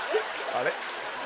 あれ？